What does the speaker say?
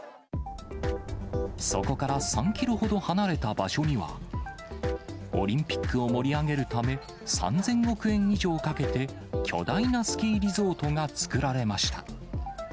そこから３キロほど離れた場所には、オリンピックを盛り上げるため、３０００億円以上かけて巨大なスキーリゾートが造られました。